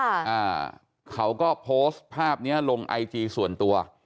อ่าเขาก็โพสต์ภาพเนี้ยลงไอจีส่วนตัว